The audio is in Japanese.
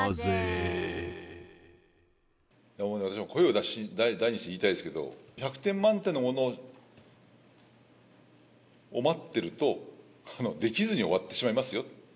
私も声を大にして言いたいですけど、１００点満点のものを待ってると、できずに終わってしまいますよ。